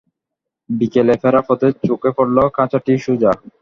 বিকেলে ফেরার পথে চোখে পড়ল, খাঁচাটি সোজা।